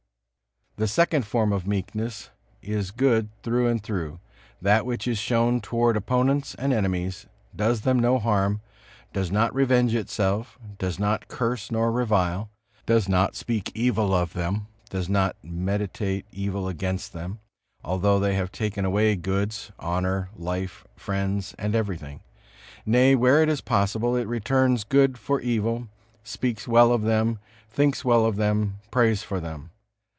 The second form of meekness is good through and through, that which is shown toward opponents and enemies, does them no harm, does not revenge itself, does not curse nor revile, does not speak evil of them, does not meditate evil against them, although they had taken away goods, honor, life, friends and everything. Nay, where it is possible, it returns good for evil, speaks well of them, thinks well of them, prays for them.